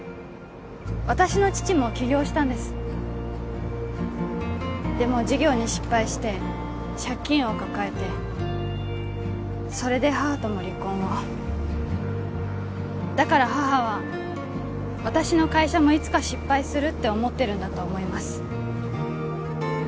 私の父も起業したんですでも事業に失敗して借金を抱えてそれで母とも離婚をだから母は私の会社もいつか失敗するって思ってるんだと思います